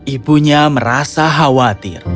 ibunya merasa khawatir